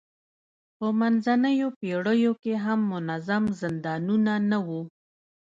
په منځنیو پېړیو کې هم منظم زندانونه نه وو.